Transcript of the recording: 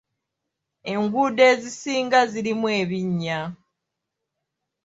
Enguudo ezisinga zirimu ebinnya.